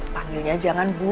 panggilnya jangan bu